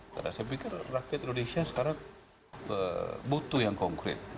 karena saya pikir rakyat indonesia sekarang butuh yang konkret